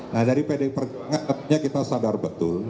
nah dari pdi perjuangannya kita sadar betul